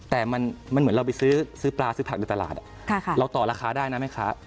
แต่มันเหมือนเราไปซื้อปลาซื้อผักในตลาดเราต่อราคาได้นะแม่ค้า